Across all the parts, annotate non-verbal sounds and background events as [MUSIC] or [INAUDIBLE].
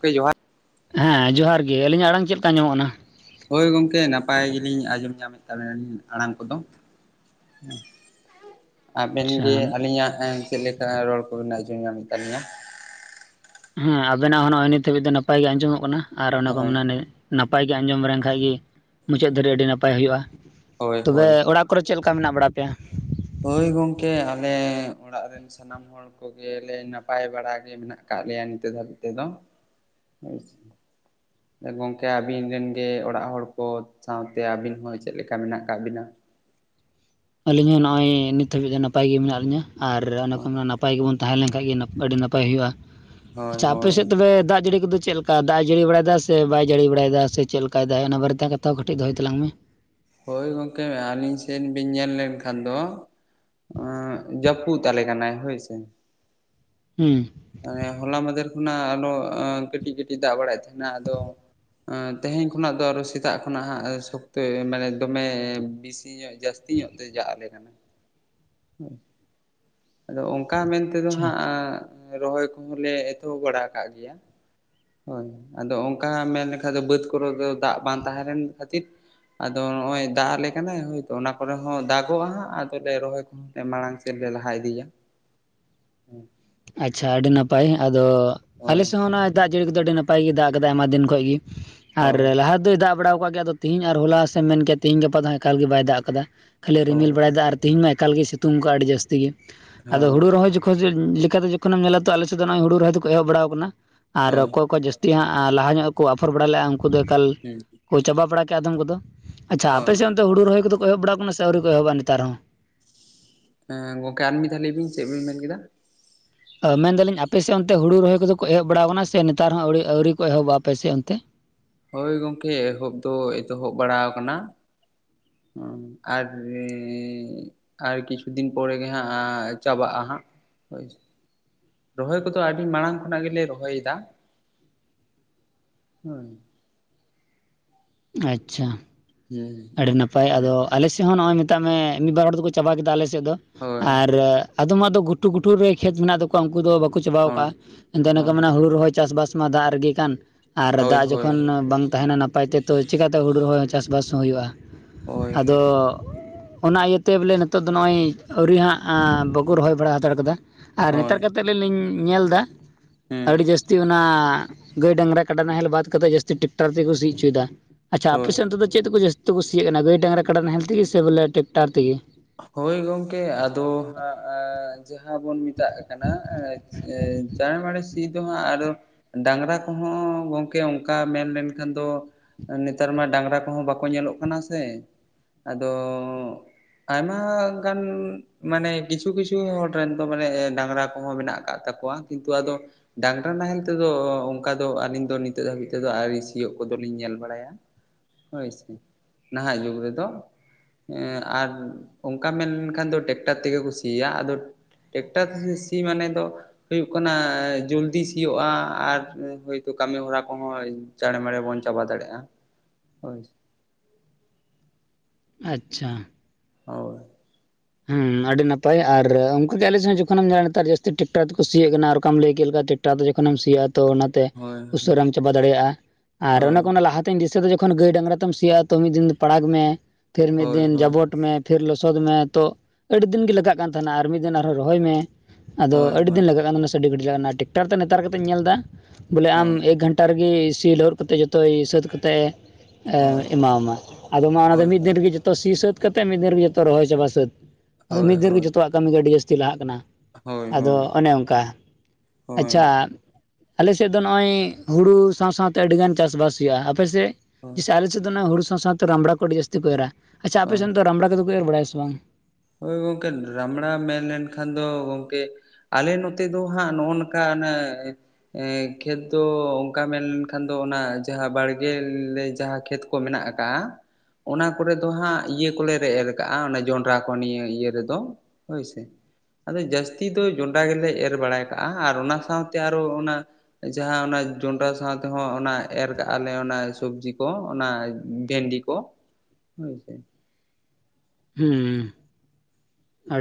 ᱠᱮ ᱡᱚᱦᱟᱨ᱾ ᱦᱮᱸ ᱡᱚᱦᱟᱨ ᱜᱮ, ᱟᱹᱞᱤᱧᱟᱜ ᱟᱲᱟᱝ ᱪᱮᱫ ᱞᱮᱠᱟ ᱟᱸᱡᱚᱢᱚᱜ ᱠᱟᱱᱟ? ᱦᱳᱭ ᱜᱚᱝᱠᱮ ᱱᱟᱯᱟᱭ ᱜᱮᱞᱤᱧ ᱟᱸᱡᱚᱢ ᱧᱟᱢᱮᱫ ᱛᱟᱵᱮᱱᱟ ᱟᱲᱟᱝ ᱠᱚᱫᱚ᱾ [INAUDIBLE] ᱟᱵᱮᱱ ᱟᱪᱪᱷᱟ ᱜᱮ ᱟᱹᱞᱤᱧᱟᱜ ᱪᱮᱫ ᱞᱮᱠᱟ ᱨᱚᱲ ᱠᱚᱵᱤᱱ ᱟᱸᱡᱚᱢ ᱧᱟᱢᱮᱫ ᱛᱟᱹᱞᱤᱧᱟ? ᱦᱮᱸ ᱟᱵᱮᱱᱟᱜ ᱦᱚᱸ ᱱᱚᱜ ᱚᱭ ᱱᱤᱛ ᱦᱟᱹᱵᱤᱡ ᱫᱚ ᱱᱟᱯᱟᱭ ᱜᱮ ᱟᱸᱡᱚᱢᱚᱜ ᱠᱟᱱᱟ ᱟᱨ ᱚᱱᱟ ᱠᱚ ᱢᱮᱱᱟ ᱱᱟᱯᱟᱭ ᱜᱮ ᱟᱸᱡᱚᱢ ᱞᱮᱱ ᱠᱷᱟᱡ ᱜᱮ ᱢᱩᱪᱟᱹᱫ ᱫᱷᱵᱤᱡ ᱟᱹᱰᱤ ᱱᱟᱯᱟᱭ ᱦᱩᱭᱩᱜᱼᱟ, ᱦᱳᱭ ᱛᱚᱵᱮ ᱦᱳᱭ ᱚᱲᱟᱜ ᱠᱚᱨᱮ ᱪᱮᱫ ᱞᱮᱠᱟ ᱢᱮᱱᱟᱜ ᱵᱟᱲᱟ ᱯᱮᱭᱟ? ᱦᱳᱭ ᱜᱚᱝᱠᱮ ᱟᱞᱮ ᱚᱲᱟᱜ ᱨᱮᱱ ᱥᱟᱱᱟᱢ ᱦᱚᱲ ᱦᱚᱲ ᱠᱚᱜᱮᱞᱮ ᱱᱟᱯᱟᱭ ᱵᱟᱲᱟ ᱜᱮ ᱢᱮᱱᱟᱜ ᱠᱟᱜ ᱞᱮᱭᱟ ᱱᱤᱛᱚᱜ ᱫᱷᱟᱹᱵᱤᱡ ᱛᱮᱫᱚ᱾ ᱦᱳᱭ ᱥᱮ᱾ [INAUDIBLE] ᱜᱚᱝᱠᱮ ᱟᱵᱤᱱ ᱨᱮᱱ ᱜᱮ ᱚᱲᱟᱜ ᱦᱚᱲ ᱠᱚ ᱥᱟᱶᱛᱮ ᱟᱹᱵᱤᱱ ᱦᱚᱸ ᱪᱮᱫ ᱞᱮᱠᱟ ᱢᱮᱱᱟᱜ ᱠᱟᱫ ᱵᱤᱱᱟ? ᱟᱹᱞᱤᱧ ᱦᱚᱸ ᱱᱚᱜᱼᱚᱭ ᱱᱤᱛ ᱦᱟᱹᱵᱤᱡ ᱫᱚ ᱱᱟᱯᱟᱭ ᱜᱮ ᱢᱮᱱᱟᱜ ᱞᱤᱧᱟᱹ ᱟᱨ ᱚᱱᱟ ᱠᱚ ᱱᱟᱯᱟᱭ ᱜᱮᱵᱚᱱ ᱛᱟᱦᱮᱸ ᱞᱮᱱ ᱠᱷᱟᱱ ᱜᱮ ᱟᱹᱰᱤ ᱱᱟᱯᱟᱭ ᱦᱩᱭᱩᱜᱼᱟ ᱦᱳᱭ ᱟᱪᱪᱷᱟ ᱟᱯᱮ ᱦᱳᱭ ᱥᱮᱫ ᱛᱚᱵᱮ ᱫᱟᱜ ᱡᱟᱹᱲᱤ ᱠᱚᱫᱚ ᱪᱮᱫ ᱫᱟᱜ ᱡᱟᱹᱲᱤ ᱵᱟᱲᱟᱭᱮᱫᱟ ᱥᱮ ᱵᱟᱭ ᱡᱟᱹᱲᱤ ᱵᱟᱲᱟᱭᱮᱫᱟ ᱥᱮ ᱪᱮᱫ ᱞᱮᱠᱟᱭ ᱫᱟᱭ ᱚᱱᱟ ᱵᱟᱨᱮᱛᱮ ᱠᱟᱛᱷᱟ ᱦᱚᱸ ᱠᱟᱹᱴᱤᱡ ᱫᱚᱦᱚᱭ ᱛᱟᱞᱟᱝ ᱢᱮ᱾ ᱦᱳᱭ ᱜᱚᱝᱠᱮ ᱟᱹᱞᱤᱧ ᱥᱮᱫ ᱵᱤᱱ ᱧᱮᱞ ᱞᱮᱱᱠᱷᱟᱱ ᱫᱚ ᱚᱸᱜ ᱡᱟᱹᱯᱩᱫ ᱛᱟᱞᱮ ᱠᱟᱱᱟᱭ ᱦᱳᱭ ᱥᱮ᱾ ᱦᱩᱸ ᱢᱟᱱᱮ ᱦᱚᱞᱟ ᱢᱟᱫᱷᱮᱨ ᱠᱷᱚᱱᱟᱜ ᱟᱨᱚ ᱠᱟᱹᱴᱤᱡ ᱠᱟᱹᱴᱤᱡ ᱫᱟᱜ ᱵᱟᱲᱟᱭᱮᱫ ᱛᱟᱦᱮᱸᱱᱟ᱾ ᱟᱫᱚ ᱟᱸ ᱛᱮᱦᱮᱧ ᱠᱷᱚᱱᱟᱜ ᱫᱚ ᱟᱨᱚ ᱥᱮᱛᱟᱜ ᱠᱷᱚᱱᱟᱜ ᱦᱟᱸᱜ ᱥᱚᱠᱛᱚ ᱢᱟᱱᱮ ᱫᱚᱢᱮ ᱵᱤᱥᱤ ᱧᱚᱜ ᱡᱟᱹᱥᱛᱤ ᱧᱚᱜ ᱛᱮ ᱡᱟᱜ ᱟᱞᱮ ᱠᱟᱱᱟ᱾ ᱟᱫᱚ ᱚᱱᱠᱟ ᱢᱮᱱᱛᱮᱫᱚ ᱟᱪᱪᱷᱟ ᱦᱟᱸᱜ ᱨᱚᱦᱚᱭ ᱠᱚᱦᱚᱸᱞᱮ ᱮᱛᱚᱦᱚᱵ ᱵᱟᱲᱟ ᱠᱟᱫ ᱜᱮᱭᱟ᱾ ᱦᱳᱭ ᱟᱫᱚ ᱚᱱᱠᱟ ᱢᱮᱱ ᱞᱮᱠᱷᱟᱱᱫᱚ ᱵᱟᱹᱫ ᱠᱚᱨᱮ ᱫᱚ ᱫᱟᱜ ᱵᱟᱝ ᱛᱟᱦᱮᱸ ᱞᱮᱱ ᱠᱷᱟᱹᱛᱤᱨ ᱟᱫᱚ ᱱᱚᱜᱼᱚᱭ ᱫᱟᱜ ᱟᱞᱮ ᱠᱟᱱᱟᱭ ᱦᱭᱛᱚ ᱚᱱᱟ ᱠᱚᱨᱮ ᱦᱚᱸ ᱫᱟᱜᱚᱜᱼᱟ ᱦᱜ ᱟᱫᱚᱞᱮ ᱨᱚᱦᱚᱭ ᱠᱚᱦᱚᱸ ᱮ ᱢᱟᱲᱟᱝ ᱥᱮᱫ ᱞᱮ ᱞᱟᱦᱟ ᱤᱫᱤᱭᱟ᱾ ᱟᱪᱪᱷᱟ ᱟᱹᱰᱤᱰᱤ ᱱᱟᱯᱟᱭ ᱟᱫᱚ ᱦᱳᱭ ᱟᱞᱮ ᱥᱮᱫ ᱦᱚᱸ ᱱᱚᱣᱟ ᱫᱟᱜ ᱡᱟᱹᱲᱤ ᱠᱚᱫᱚ ᱟᱹᱰᱤ ᱱᱟᱯᱟᱭ ᱜᱮ ᱫᱟᱜ ᱟᱠᱟᱫᱟ ᱟᱭᱢᱟ ᱫᱤᱱ ᱠᱷᱚᱡ ᱜᱮ᱾ ᱟᱨ ᱦᱳᱭ ᱞᱟᱦᱟ ᱫᱚᱭ ᱫᱟᱜ ᱵᱟᱲᱟ ᱟᱠᱟᱣᱜ ᱜᱮᱭᱟ ᱟᱫᱚ ᱛᱮᱦᱮᱧ ᱟᱨ ᱦᱚᱞᱟ ᱥᱮ ᱢᱮᱱ ᱠᱮᱛ ᱛᱮᱦᱮᱧ ᱜᱟᱯᱟ ᱫᱚ ᱮᱠᱟᱞ ᱜᱮ ᱵᱟᱭ ᱫᱟᱜ ᱠᱟᱫᱟ, ᱠᱷᱟᱹᱞᱤ ᱦᱳᱭ ᱨᱤᱢᱤᱞ ᱵᱟᱲᱟᱭᱮᱫᱟ ᱟᱨ ᱛᱮᱦᱤᱧ ᱢᱟ ᱮᱠᱟᱞᱜ ᱜᱮ ᱥᱤᱛᱩᱝ ᱠᱟᱜᱼᱟᱭ ᱟᱹᱰᱤ ᱡᱟᱹᱥᱛᱤ ᱜᱮ, ᱟᱫᱚ ᱦᱳᱭ ᱦᱩᱲᱩ ᱨᱚᱦᱚᱭ ᱡᱚᱠᱷᱚᱡ ᱠᱷᱛᱮ ᱡᱚᱠᱷᱚᱱ ᱮᱢ ᱧᱮᱞᱟ ᱛᱚ ᱟᱞᱮᱥᱮᱫ ᱫᱚ ᱱᱚᱜᱼᱚᱭ ᱦᱩᱲᱩ ᱨᱚᱦᱚᱭ ᱠᱚ ᱮᱦᱚᱵ ᱵᱟᱲᱟᱣ ᱟᱠᱟᱱᱟ, ᱦᱳᱭ ᱟᱨ ᱚᱠᱚᱭ ᱦᱳᱭ ᱠᱚ ᱡᱟᱹᱥ ᱛᱤ ᱦᱟᱸᱜ ᱞᱟᱦᱟ ᱧᱚᱜ ᱟᱯᱷᱚᱨ ᱵᱟᱲᱟ ᱞᱮᱫᱼᱟ ᱩᱱᱠᱩ ᱫᱚ ᱮᱠᱟᱞ ᱠᱚ ᱪᱟᱵᱟ ᱵᱟᱲᱟ ᱠᱮᱫᱼᱟ ᱟᱫᱚᱢ ᱠᱚᱫᱚ᱾ ᱟᱪᱪᱷᱟ ᱟᱯᱮ ᱦᱳᱭ ᱥᱮᱱ ᱫᱚ ᱦᱩᱲᱩ ᱨᱚᱦᱚᱭ ᱠᱚ ᱮᱦᱚᱵ ᱵᱟᱲᱟ ᱟᱠᱟᱱᱟ ᱥᱮ ᱟᱹᱣᱨᱤ ᱠᱚ ᱮᱦᱚᱵᱟ ᱱᱮᱛᱟᱨ ᱦᱚᱸ? ᱮᱸ ᱜᱚᱝᱠᱮ ᱟᱨ ᱢᱤᱫ ᱫᱷᱟ ᱞᱟᱹᱭ ᱵᱤᱱ ᱪᱮᱫ ᱵᱤᱱ ᱢᱮᱱ ᱠᱮᱫᱟ᱾ ᱚ ᱢᱮᱱ ᱮᱫᱟᱞᱤᱧ ᱟᱯᱮᱥᱮᱫ ᱚᱱᱛᱮ ᱦᱩᱲᱩ ᱨᱚᱦᱚᱭ ᱠᱚᱫᱚ ᱠᱚ ᱮᱦᱚᱵ ᱵᱟᱲᱟᱣ ᱠᱟᱱᱟᱣ ᱥᱮ ᱱᱮᱛᱟᱨ ᱦᱚᱸ ᱟᱹᱣᱲᱤ ᱟᱹᱣᱨᱤ ᱠᱚ ᱮᱦᱚᱵ-ᱟ ᱟᱯᱮ ᱥᱮᱫ ᱚᱱᱛᱮ? ᱦᱳᱭ ᱜᱚᱢᱠᱮ ᱮᱦᱚᱵ ᱫᱚ ᱮᱛᱚᱦᱚᱵ ᱵᱟᱲᱟᱣ ᱠᱟᱱᱟ ᱦᱩᱸ ᱟᱨ ᱮ ᱟᱨ ᱠᱤᱪᱷᱩ ᱫᱤᱱ ᱯᱚᱨᱮ ᱜᱮ ᱦᱟᱸᱜ ᱪᱟᱵᱟᱜᱼᱟ ᱦᱟᱸᱜ᱾ ᱦᱳᱭ᱾ ᱨᱚᱦᱚᱭ ᱠᱚᱫᱚ ᱟᱹᱰᱤ ᱢᱟᱲᱟᱝ ᱠᱷᱚᱱᱟᱜ ᱜᱮᱞᱮ ᱨᱚᱦᱚᱭᱮᱫᱟ, ᱦᱩᱸ ᱟᱪᱪᱷᱟ᱾ ᱦᱮᱸ ᱟᱹᱰᱤ ᱱᱟᱯᱟᱭ ᱟᱫᱚ ᱟᱞᱮ ᱥᱮᱫ ᱦᱚᱸ ᱱᱚᱜ-ᱚᱭ ᱢᱮᱛᱟᱜ ᱢᱮ ᱢᱤᱫ ᱵᱟᱨ ᱦᱚᱲ ᱫᱚᱠᱚ ᱪᱟᱵᱟ ᱠᱮᱫᱟ ᱟᱞᱮ ᱥᱮᱫ ᱫᱚ ᱦᱳᱭ ᱟᱨ ᱟᱫᱚᱢᱼᱟ ᱫᱚ ᱜᱷᱩᱴᱩ ᱜᱷᱩᱴᱩ ᱨᱮ ᱠᱷᱮᱛ ᱢᱮᱱᱟᱜ ᱛᱟᱠᱚᱣᱟ ᱩᱱᱠᱩ ᱫᱚ ᱵᱟᱠᱚ ᱪᱟᱵᱟ ᱟᱠᱫᱼᱟ ᱦᱳᱭ ᱮᱱᱛᱮ ᱠᱚ ᱢᱮᱱᱟ ᱦᱩᱲᱩ ᱨᱚᱦᱚᱭ ᱪᱟᱥᱼᱵᱟᱥ ᱢᱟ ᱫᱟᱜ ᱨᱮᱜᱤ ᱠᱟᱱ ᱟᱨ ᱦᱳᱭ ᱦᱳᱭ ᱫᱟᱜ ᱦᱳᱭ ᱡᱚᱠᱷᱚᱱ ᱵᱟᱝ ᱛᱟᱸᱦᱮᱱᱟ ᱱᱟᱯᱟᱭ ᱛᱮ ᱛᱚ ᱪᱮᱠᱟᱛᱮ ᱦᱩᱲᱩ ᱨᱚᱦᱚᱭ ᱦᱚᱸ ᱪᱟᱥᱵᱟᱥ ᱦᱩᱭᱩᱜᱼᱟ, ᱦᱳᱭ ᱟᱫᱚ ᱦᱳᱭ ᱚᱱᱟ ᱤᱭᱟᱹᱛᱮ ᱵᱚᱞᱮ ᱱᱤᱛᱚᱜ ᱫᱚ ᱱᱚᱜᱼᱚᱭ ᱟᱹᱣᱨᱤ ᱦᱟᱸᱜ ᱵᱟᱠᱚ ᱨᱚᱦᱚᱭ ᱵᱟᱲᱟ ᱦᱟᱛᱟᱲ ᱠᱟᱫᱟ, ᱟᱨ ᱦᱳᱭ ᱱᱮᱛᱟᱨ ᱠᱟᱛᱮᱜ ᱟᱹᱞᱤᱧ ᱧᱤᱞ ᱧᱮᱞ ᱫᱟ ᱦᱮᱸ ᱟᱹᱰᱤ ᱡᱟᱹᱥᱛᱤ ᱡᱟᱹᱥᱛᱤ ᱚᱱᱟ ᱜᱟᱹᱭ ᱰᱟᱝᱨᱟ ᱠᱟᱰᱟ ᱱᱟᱦᱮᱞ ᱵᱟᱫ ᱠᱟᱛᱮ ᱡᱟᱹᱥᱛᱤ ᱴᱨᱟᱠᱴᱟᱨ ᱛᱮᱠᱚ ᱥᱤ ᱚᱪᱚᱭ ᱫᱟ᱾ ᱟᱪᱪᱷᱟ ᱦᱳᱭ ᱟᱯᱮᱥᱮᱫ ᱱᱤᱛ ᱛᱮᱫ ᱪᱮᱫᱠᱚ ᱡᱟᱹᱥᱛᱤ ᱠᱚ ᱥᱤᱭᱩᱜ ᱠᱟᱱᱟ ᱜᱟᱹᱭ ᱰᱟᱝᱨᱟ ᱠᱟᱰᱟ ᱱᱟᱦᱮᱞ ᱛᱮᱜᱤ ᱥᱮ ᱵᱚᱞᱮ ᱴᱮᱠᱴᱟᱨ ᱛᱮᱜᱤ? ᱦᱳᱭ ᱜᱚᱢᱠᱮ ᱟᱫᱚ [UNINTELLIGIBLE] ᱡᱟᱦᱟᱸ ᱵᱚᱱ ᱢᱮᱛᱟᱜ ᱠᱟᱱᱟ ᱟᱸ ᱪᱟᱬᱢᱟᱲᱮ ᱛᱤ ᱫᱚ ᱦᱟᱜ ᱟᱨᱚ ᱰᱟᱝᱨᱟ ᱠᱚᱦᱚᱸ ᱜᱚᱢᱠᱮ ᱚᱱᱠᱟ ᱢᱮᱱ ᱢᱮᱱ ᱞᱮᱱᱠᱷᱟᱱ ᱫᱚ ᱱᱮᱛᱟᱨ ᱢᱟ ᱰᱟᱝᱨᱟ ᱠᱚᱦᱚᱸ ᱵᱟᱠᱚ ᱧᱮᱞᱚᱜ ᱠᱟᱱᱟ ᱥᱮ ᱟᱫᱚᱻ ᱟᱭᱢᱟᱻ ᱜᱟᱱᱻ ᱢᱟᱱᱮ ᱠᱤᱪᱷᱩ ᱠᱤᱪᱷᱩ ᱦᱚᱲ ᱨᱮᱱ ᱫᱚ ᱢᱟᱱᱮ ᱰᱟᱝᱨᱟ ᱠᱚᱦᱚᱸ ᱢᱮᱱᱟᱜ ᱠᱟᱜ ᱛᱟᱠᱚᱣᱟ ᱠᱤᱱᱛᱩ ᱟᱫᱚ ᱰᱟᱝᱨᱟ ᱱᱟᱦᱮᱞ ᱛᱮᱫᱚ ᱚᱱᱠᱟ ᱫᱚ ᱟᱹᱞᱤᱧ ᱫᱚ ᱱᱤᱛᱚᱜ ᱫᱷᱟᱹᱵᱤᱡ ᱛᱮᱫᱚ ᱟᱹᱣᱨᱤ ᱥᱤᱭᱳᱜ ᱠᱚᱫᱚᱞᱤᱧ ᱧᱮᱞ ᱵᱟᱲᱟᱭᱟ᱾ ᱦᱳᱭ ᱥᱮ ᱱᱟᱦᱟᱜ ᱡᱩᱜᱽ ᱨᱮᱫᱚ ᱟᱨ ᱚᱱᱠᱟ ᱢᱮᱱ ᱞᱮᱠᱷᱟᱱ ᱫᱚ ᱴᱮᱠᱴᱟᱨ ᱛᱮᱜᱮ ᱠᱚ ᱥᱤᱭᱟ ᱟᱫᱚ ᱴᱮᱠᱴᱟᱨ ᱛᱮ ᱥᱤ ᱢᱟᱱᱮ ᱫᱚ ᱦᱩᱭᱩᱜ ᱠᱟᱱᱟ ᱡᱚᱞᱫᱤ ᱥᱤᱭᱳᱜ-ᱟ ᱟᱨ ᱦᱳᱭᱛᱳ ᱠᱟᱹᱢᱤ ᱦᱚᱨᱟ ᱠᱚᱦᱚᱸ ᱪᱮᱬᱮᱢᱟᱲᱮ ᱵᱚᱱ ᱪᱟᱵᱟ ᱫᱟᱲᱮᱭᱟᱜ-ᱟ ᱦᱳᱭ᱾ ᱟᱪᱪᱷᱟ᱾ ᱚᱭ᱾ ᱦᱮᱸ ᱟᱹᱰᱤ ᱱᱟᱯᱟᱭ ᱟᱨ ᱚᱱᱠᱟ ᱜᱮ ᱟᱞᱮ ᱥᱮᱫ ᱡᱚᱠᱷᱚᱱᱮᱢ‌ ᱧᱮᱞ-ᱟ ᱱᱮᱛᱟᱨ ᱡᱟᱹᱥᱛᱤ ᱴᱨᱟᱠᱴᱟᱨ ᱛᱮᱠᱚ ᱥᱤᱭᱮᱜ ᱠᱟᱱᱟ ᱟᱨ ᱚᱠᱟᱢ ᱞᱟᱹᱭ ᱠᱮᱫ ᱞᱮᱠᱟ ᱴᱟ ᱫᱚ ᱡᱚᱠᱷᱚᱱᱮᱢ ᱥᱤᱭᱳᱜ-ᱟ ᱛᱚ ᱚᱱᱟᱛᱮ ᱦᱳᱭ ᱩᱥᱟᱹᱨᱟᱢ ᱪᱟᱵᱟ ᱫᱟᱲᱮᱭᱟᱜ-ᱟ ᱟᱨ ᱦᱳᱭ ᱚᱱᱟ ᱠᱚ ᱚᱱᱟ ᱞᱟᱦᱟ ᱫᱤᱥᱟᱹ ᱫᱚ ᱡᱚᱠᱷᱚᱱ ᱜᱟᱹᱭ ᱰᱟᱝᱨᱟ ᱛᱮᱢ ᱥᱤᱭᱟ ᱛᱚ ᱢᱤᱫ ᱫᱤᱱ ᱫᱚ ᱯᱟᱲᱟᱜ ᱢᱮ ᱯᱷᱮᱨ ᱢᱤᱫ ᱦᱳᱭ ᱫᱤᱱ ᱡᱟᱵᱚᱴ ᱢᱮ ᱯᱷᱮᱨ ᱞᱚᱥᱚᱫ ᱢᱮ ᱛᱚ ᱟᱹᱰᱤ ᱫᱤᱱ ᱜᱮ ᱞᱟᱜᱟᱜ ᱠᱟᱱ ᱛᱟᱦᱮᱱᱟ ᱟᱨ ᱢᱤᱫ ᱫᱤᱱ ᱟᱨᱦᱚᱸ ᱨᱚᱦᱚᱭ ᱢᱮ, ᱟᱫᱚ ᱦᱳᱭ ᱟᱹᱰᱤ ᱫᱤᱱ ᱦᱳᱭ ᱞᱟᱜᱟᱜ ᱠᱟᱱ ᱛᱟᱦᱮᱱ ᱥᱮ ᱟᱹᱰᱤ ᱜᱷᱟᱰᱤᱡ ᱞᱟᱜᱟᱜ ᱠᱟᱱᱟ ᱴᱮᱠᱴᱟᱨ ᱫᱚ ᱱᱮᱛᱟᱨ ᱜᱮᱯᱮ ᱧᱮᱞ ᱮᱫᱟ ᱵᱚᱞᱮ ᱟᱢ ᱦᱳᱭ ᱮᱠ ᱜᱷᱟᱱ ᱴᱟ ᱨᱮᱜᱮ ᱥᱤ ᱞᱟᱹᱦᱩᱫ ᱠᱟᱛᱮ ᱡᱚᱛᱚᱭ ᱥᱟᱹᱛ ᱠᱟᱛᱮ ᱮ ᱦᱳᱭ ᱮᱢᱟᱢᱟ ᱟᱫᱚᱢ ᱢᱟ ᱚᱱᱟ ᱛᱮ ᱦᱳᱭ ᱢᱤᱫ ᱫᱤᱱ ᱨᱮᱜᱮ ᱡᱚᱛᱚ ᱥᱤ ᱥᱟᱹᱛ ᱠᱟᱛᱮᱫ ᱢᱤᱫ ᱫᱤᱱ ᱨᱮᱜᱮ ᱡᱚᱛᱚ ᱨᱚᱦᱚᱭ ᱪᱟᱵᱟ ᱥᱟᱹᱛ ᱾ ᱟᱫᱚ ᱦᱳᱭ ᱢᱤᱫ ᱫᱤᱱ ᱨᱮᱜᱮ ᱡᱚᱛᱚᱣᱟᱜ ᱠᱟᱹᱢᱤ ᱜᱮ ᱟᱹᱰᱤ ᱡᱟᱹᱥᱛᱤ ᱞᱟᱦᱟᱜ ᱠᱟᱱᱟ ᱦᱳᱭ ᱦᱳᱭ ᱦᱳᱭ ᱦᱳᱭ ᱟᱫᱚ ᱦᱳᱭ ᱚᱱᱮ ᱚᱱᱠᱟ ᱾ ᱦᱳᱭ ᱟᱪᱪᱷᱟ, ᱟᱞᱮ ᱥᱮᱫ ᱫᱚ ᱱᱚᱜ-ᱚᱭ ᱦᱩᱲᱩ ᱥᱟᱶ-ᱥᱟᱶᱛᱮ ᱟᱹᱰᱤ ᱜᱟᱱ ᱪᱟᱥᱵᱟᱥ ᱦᱩᱭᱩᱜ-ᱟ ᱾ ᱟᱯᱮ ᱥᱮᱫ? ᱦᱳᱭ ᱡᱤᱥᱮ ᱟᱞᱮ ᱥᱮᱫ ᱫᱚ ᱱᱚᱜ-ᱚᱭ ᱦᱩᱲᱩ ᱥᱟᱶ-ᱥᱟᱶᱛᱮ ᱨᱟᱢᱲᱟ ᱠᱚ ᱟᱹᱰᱤ ᱡᱟᱹᱥᱛᱤ ᱠᱚ ᱮᱨᱟ ᱾ ᱟᱪᱪᱷᱟ ᱟᱯᱮ ᱦᱳᱭ ᱥᱮᱱ ᱫᱚ ᱨᱟᱢᱲᱟ ᱠᱚᱫᱚ ᱠᱚ ᱮᱨ ᱵᱟᱲᱟᱭᱟ ᱥᱮ ᱵᱟᱝᱟ? ᱦᱳᱭ ᱜᱚᱝᱠᱮ ᱨᱟᱢᱲᱟ ᱢᱮᱱ ᱞᱮᱱᱠᱷᱟᱱ ᱫᱚ ᱜᱚᱢᱠᱮ ᱟᱞᱮ ᱱᱚᱛᱮ ᱫᱚ ᱦᱟᱜ ᱱᱚᱜ-ᱚᱭ ᱱᱚᱝᱠᱟ ᱚᱱᱮ ᱮ ᱠᱷᱮᱛ ᱫᱚ ᱚᱱᱠᱟ ᱢᱮᱱ ᱞᱱᱠᱷᱟᱱ ᱫᱚ ᱚᱱᱟ ᱡᱟᱦᱟᱸ ᱵᱟᱲᱜᱮ ᱞᱮ ᱡᱟᱦᱟᱸ ᱠᱷᱮᱛ ᱠᱚ ᱢᱮᱱᱟᱜ ᱟᱠᱟᱫ-ᱟ ᱚᱱᱟ ᱠᱚᱨᱮ ᱫᱚ ᱦᱟᱸᱜ ᱤᱭᱟᱹ ᱠᱚᱞᱮ ᱨᱮ ᱮᱨ ᱠᱟᱜ-ᱟ ᱚᱱᱮ ᱡᱚᱸᱰᱨᱟ ᱾ ᱯᱚᱱᱤᱭᱟᱹ ᱤᱭᱟᱹ ᱨᱮᱫᱚ ᱦᱳᱭᱥᱮ᱾ ᱟᱫᱚ ᱡᱟᱹᱥᱛᱤ ᱫᱚ ᱡᱚᱸᱱᱰᱨᱟ ᱜᱮᱞᱮ ᱮᱨ ᱵᱟᱲᱟᱭ ᱠᱟᱜ-ᱟ ᱾ ᱟᱨ ᱚᱱᱟ ᱥᱟᱶᱛᱮ ᱟᱨᱳ ᱚᱱᱟ ᱡᱟᱦᱟᱸ ᱚᱱᱟ ᱡᱚᱱᱰᱨᱟ ᱥᱟᱶ ᱛᱮᱦᱚᱸ ᱚᱱᱟ ᱮᱨ ᱠᱟᱜ-ᱟ ᱞᱮ ᱚᱱᱟ ᱥᱚᱵᱽᱡᱤ ᱠᱚ ᱚᱱᱟ ᱵᱷᱮᱱᱰᱤ ᱠᱚ᱾ ᱠᱚ ᱦᱳᱭ ᱥᱮ᱾ ᱦᱩᱸᱻ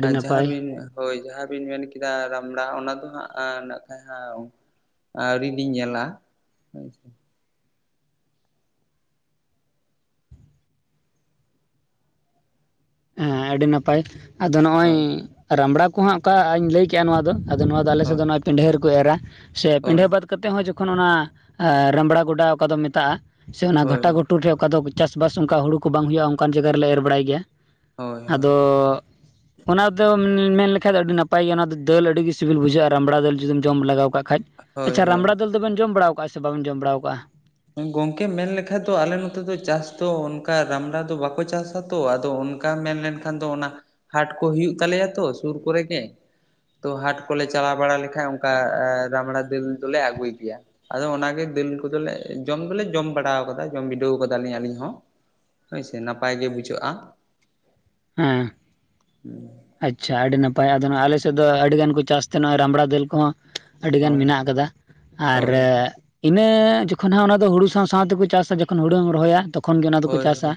ᱟᱨ ᱡᱟᱦᱟᱸ ᱵᱤᱱ ᱦᱳᱭ ᱡᱟᱦᱟᱸ ᱵᱤᱱ ᱢᱮᱱ ᱠᱮᱫᱟ ᱨᱟᱢᱲᱟ ᱚᱱᱟ ᱫᱚ ᱦᱟᱸᱜ ᱱᱟᱜ ᱠᱷᱟᱱ ᱦᱟ ᱟᱹᱣᱨᱤ ᱞᱤᱧ ᱧᱮᱞ-ᱟ ᱦᱳᱭ ᱥᱮ᱾ ᱦᱮᱸ ᱟᱹᱰᱤ ᱱᱟᱯᱟᱭ, ᱟᱫᱚ ᱦᱳᱭ ᱱᱚᱜᱼᱚᱭ ᱨᱟᱢᱲᱟ ᱠᱚᱦᱟᱸᱜ ᱚᱠᱟᱧ ᱞᱟᱹᱭ ᱠᱮᱫᱼᱟ ᱱᱚᱣᱟ ᱫᱚ ᱟᱫᱚ ᱱᱚᱣᱟ ᱫᱚ ᱟᱞᱮᱥ ᱥᱮᱫ ᱫᱚ ᱱᱚᱜ-ᱚᱭ ᱯᱮᱸᱰᱷᱮ ᱨᱮᱠᱚ ᱮᱨᱟ ᱾ ᱥᱮ ᱦᱳᱭ ᱯᱮᱸᱰᱷᱮ ᱵᱟᱫᱽ ᱠᱟᱛᱮ ᱦᱚᱸ ᱡᱚᱠᱷᱚᱱ ᱚᱱᱟ ᱨᱟᱢᱲᱟ ᱜᱚᱰᱟ ᱚᱠᱟ ᱫᱚᱢ ᱢᱮᱛᱟᱜᱼᱟ, ᱥᱮ ᱚᱱᱟ ᱦᱳᱭ ᱦᱳᱭ ᱜᱷᱟᱴᱟ ᱜᱷᱩᱴᱩ ᱴᱷᱮᱡ ᱚᱠᱟ ᱫᱚ ᱪᱟᱥᱵᱟᱥ ᱚᱱᱠᱟ ᱦᱩᱲᱩ ᱠᱚ ᱵᱟᱝ ᱦᱩᱭᱩᱜᱼᱟ ᱚᱱᱠᱟᱱ ᱡᱟᱜᱟ ᱨᱮᱞᱮ ᱮᱨ ᱵᱟᱲᱟᱭ ᱜᱮᱭᱟ ᱦᱳᱭ ᱾ ᱦᱳᱭ ᱟᱫᱚ ᱚᱱᱟ ᱫᱚᱢ ᱢᱮᱱ ᱞᱮᱠᱷᱟ ᱫᱚ ᱟᱹᱰᱤ ᱱᱟᱯᱟᱭ ᱜᱮᱭᱟ ᱚᱱᱟ ᱫᱚ ᱫᱟᱹᱞ ᱟᱹᱰᱤᱜᱮ ᱥᱤᱵᱤᱞ ᱵᱩᱡᱷᱟᱹᱜᱼᱟ ᱨᱟᱢᱵᱲᱟ ᱫᱟᱹᱞ ᱡᱩᱫᱤᱢ ᱡᱚᱢ ᱞᱮᱜᱟᱣ ᱠᱟᱜ ᱠᱷᱟᱡ ᱾ ᱦᱳᱭ ᱟᱪᱪᱷᱟ ᱨᱟᱢᱲᱟ ᱦᱳᱭ ᱫᱟᱹᱞ ᱫᱚ ᱵᱮᱱ ᱡᱚᱢ ᱵᱟᱲᱟᱳ ᱟᱠᱟᱜᱼᱟ ᱥᱮ ᱵᱟᱵᱮᱱ ᱡᱚᱢ ᱵᱟᱲᱟᱳ ᱠᱟᱜᱼᱟ? ᱜᱚᱝᱠᱮ ᱢᱮᱱ ᱞᱮᱠᱷᱟ ᱫᱚ ᱟᱞᱮ ᱱᱚᱛᱮ ᱫᱚ ᱪᱟᱥ ᱫᱚ ᱚᱱᱠᱟ ᱨᱟᱢᱲᱟ ᱫᱚ ᱵᱟᱠᱚ ᱪᱟᱥᱟ ᱛᱚ ᱟᱫᱚ ᱚᱱᱠᱟ ᱢᱮᱱ ᱞᱮᱱᱠᱷᱟᱱ ᱫᱚ ᱚᱱᱟ ᱦᱟᱴ ᱠᱚ ᱦᱩᱭᱩᱜ ᱛᱟᱞᱮᱭᱟ ᱛᱚ ᱥᱩᱨ ᱠᱚᱨᱮ ᱜᱮ ᱛᱚ ᱦᱟᱴ ᱠᱚᱞᱮ ᱪᱟᱞᱟᱣ ᱵᱟᱲᱟ ᱞᱮᱠᱷᱟᱡ ᱚᱱᱠᱟ ᱨᱟᱢᱲᱟ ᱫᱟᱹᱞ ᱫᱚᱞᱮ ᱟᱹᱜᱩᱭ ᱜᱮᱭᱟ ᱾ ᱟᱫᱚ ᱚᱱᱟᱜᱮ ᱫᱟᱹᱞ ᱠᱚᱫᱚ ᱞᱮ ᱮ ᱡᱚᱢ ᱫᱚᱞᱮ ᱡᱚᱢ ᱵᱟᱲᱟᱣ ᱠᱟᱫᱟ ᱡᱚᱢ ᱵᱤᱰᱟᱹᱣ ᱟᱠᱟᱫᱟᱞᱤᱧ ᱟᱹᱞᱤᱧ ᱦᱚᱸ, ᱦᱳᱭ ᱥᱮ ᱱᱟᱯᱟᱭ ᱜᱮ ᱵᱩᱡᱷᱟᱹᱜᱼᱟ ᱾ ᱦᱮᱸ [UNINTELLIGIBLE] ᱟᱪᱪᱷᱟ ᱟᱹᱰᱤ ᱱᱟᱯᱟᱭ ᱾ ᱟᱫᱚ ᱟᱞᱮ ᱥᱮᱫ ᱫᱚ ᱟᱹᱰᱤ ᱜᱟᱱᱠᱚ ᱪᱟᱥ ᱛᱟᱦᱮ ᱱᱚᱜ-ᱚᱭ ᱨᱟᱢᱲᱟ ᱫᱟᱹᱞ ᱠᱚᱦᱚᱸ ᱾ ᱟᱹᱰᱤ ᱜᱟᱱ ᱦᱳᱭ ᱢᱮᱱᱟᱜ ᱟᱠᱟᱫᱟ ᱟᱨ ᱦᱳᱭ ᱤᱱᱟᱹ ᱡᱚᱠᱷᱚᱱ ᱦᱟᱸᱜ ᱚᱱᱟ ᱫᱚ ᱦᱩᱲᱩ ᱥᱟᱶ-ᱥᱟᱶᱛᱮ ᱠᱚ ᱪᱟᱥ-ᱟ ᱡᱚᱠᱷᱚᱱ ᱦᱩᱲᱩᱢ ᱨᱚᱦᱚᱭᱟ ᱛᱚᱠᱷ ᱠᱷᱚᱱ ᱜᱮ ᱚᱱᱟ ᱫᱚᱠᱚ ᱦᱳᱭ ᱪᱟᱥ-ᱟ